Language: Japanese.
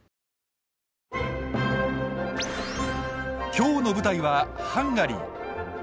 今日の舞台はハンガリー。